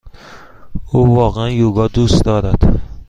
او واقعا یوگا دوست دارد.